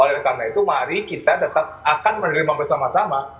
oleh karena itu mari kita tetap akan menerima bersama sama